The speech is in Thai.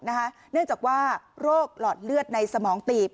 เนื่องจากว่าโรคหลอดเลือดในสมองตีบ